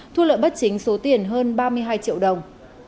thu lợi bất chính số tiền hơn ba mươi hai triệu đồng